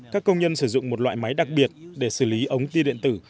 các công nhân sử dụng một loại máy đặc biệt để xử lý ống pi điện tử